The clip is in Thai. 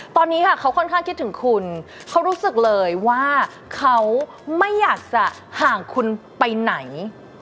ตอนนี้เขาก็คิดถึงคุณก็รู้สึกเลยว่าเขาไม่อยากห่างคุณไปไหน